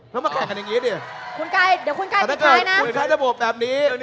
แล้วมาแก่งกันอย่างนี้ดิ